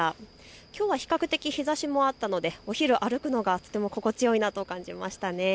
きょうは比較的日ざしもあったのでお昼、歩くのがとても心地よいなと感じました。